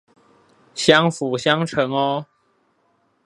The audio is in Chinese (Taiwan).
相輔相成哦